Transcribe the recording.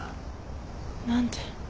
何で？